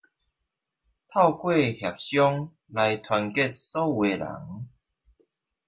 透過協商來團結所有人